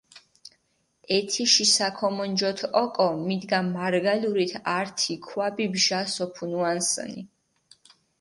ეთიში საქომონჯოთ ოკო, მიდგა მარგალურით ართი ქვაბი ბჟას ოფუნუანსჷნი.